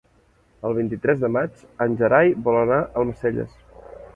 El vint-i-tres de maig en Gerai vol anar a Almacelles.